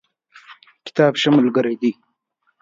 کتاب ښه ملګری دی.